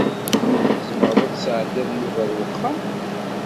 Tzemreḍ ad tesɛeddiḍ Yuba ar wexxam?